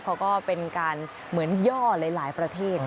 เขาก็เป็นการเหมือนย่อหลายประเทศ